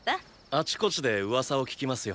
あちこちで噂を聞きますよ。